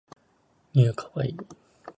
new kawaii